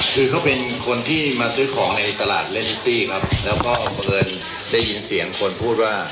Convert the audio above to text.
คือเขาเป็นคนที่มาซื้อของในตลาดเล่นนิตตี้ครับแล้วก็บังเอิญได้ยินเสียงคนพูดว่า